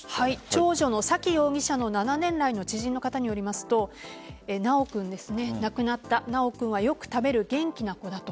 長女の沙喜容疑者の７年来の知人の方によりますと亡くなった修君はよく食べる元気な子だと。